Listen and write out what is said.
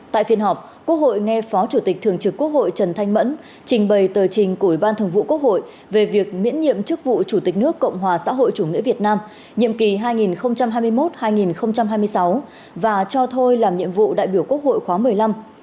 tại phiên họp quốc hội nghe phó chủ tịch thường trực quốc hội trần thanh mẫn trình bày tờ trình của ủy ban thường vụ quốc hội về việc miễn nhiệm chức vụ chủ tịch nước cộng hòa xã hội chủ nghĩa việt nam nhiệm kỳ hai nghìn hai mươi một hai nghìn hai mươi sáu và cho thôi làm nhiệm vụ đại biểu quốc hội khóa một mươi năm